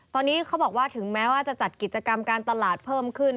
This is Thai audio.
ตอนนี้เขาบอกว่าถึงแม้ว่าจะจัดกิจกรรมการตลาดเพิ่มขึ้น